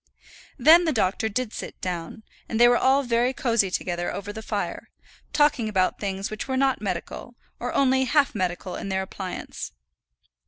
Then the doctor did sit down, and they were all very cosy together over the fire, talking about things which were not medical, or only half medical in their appliance.